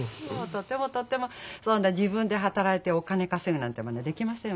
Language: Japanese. とてもとてもそんな自分で働いてお金稼ぐなんてまねできませんわ。